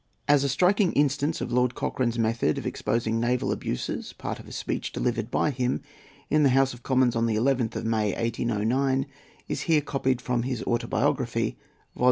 As a striking instance of Lord Cochrane's method of exposing naval abuses, part of a speech delivered by him in the House of Commons, on the 11th of May, 1809, is here copied from his "Autobiography," vol.